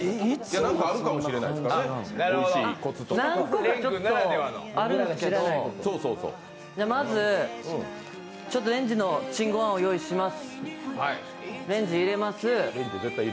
何個かあるんですけど、まず、レンジのチンご飯を用意します。